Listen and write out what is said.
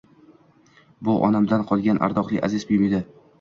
Bu onamdan qolgan ardoqli, aziz buyum edi